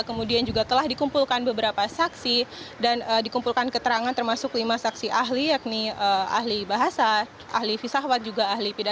kemudian juga telah dikumpulkan beberapa saksi dan dikumpulkan keterangan termasuk lima saksi ahli yakni ahli bahasa